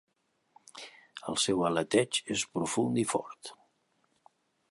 Els seu aleteig és profund i fort.